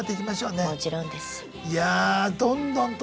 もちろんです。